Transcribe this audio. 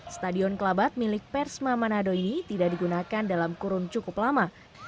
stadion kelabat milik persma manado ini tidak digunakan dalam kurun cukup lama